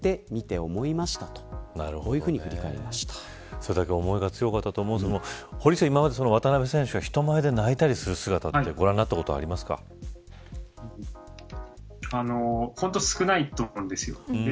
それだけ思いが強かったと思うんですが堀内さん、今まで渡邊選手が人前で泣いたりする姿って本当に少ないと思うんですよね。